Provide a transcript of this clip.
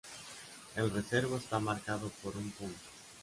El reverso está marcado por un punto.